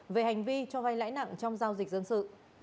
về hành vi cho vay lãi nặng trong giao dịch dân sự